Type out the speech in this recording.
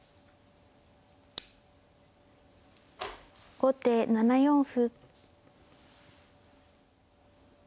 後手７四歩。